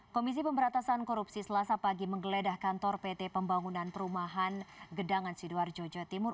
komisi pemberatasan korupsi selasa pagi menggeledah kantor pt pembangunan perumahan gedangan sidoarjo jawa timur